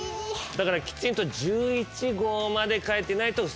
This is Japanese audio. だからきちんと「１１号」まで書いてないと不正解と。